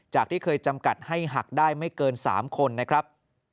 ที่เคยจำกัดให้หักได้ไม่เกิน๓คนนะครับ